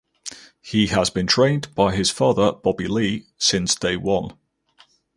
He has been trained by his father Bobby Lee "since day one".